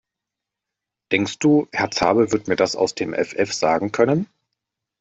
Denkst du, Herr Zabel wird mir das aus dem Effeff sagen können?